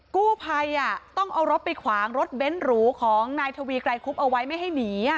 กู้ภัยต้องเอารถไปขวางรถเบ้นหรูของนายทวีไกรคุบเอาไว้ไม่ให้หนี